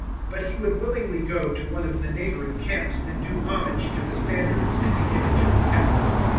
But he would willingly go to one of the neigh bouring camps, and do homage to the standards and the image of the Emperor.